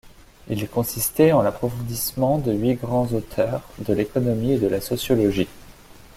Il consistait en l'approfondissement de huit grands auteurs de l'économie et de la sociologie.